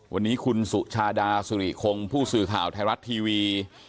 วันนี้คุณสุชาดาสุริคงผู้สื่อข่าวไทยรัฐทีวี